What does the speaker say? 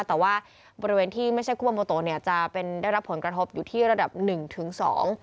แต่ว่าบริเวณที่ไม่ใช่กุมาโมโตเนี่ยจะเป็นได้รับผลกระทบอยู่ที่ระดับหนึ่งถึงสอง